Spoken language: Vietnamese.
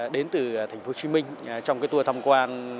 đến từ thành phố hồ chí minh trong cái tour thăm quan